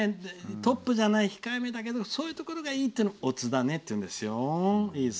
トップじゃない、控えめだけどそういうところがいいというのを乙だねっていうんですよ。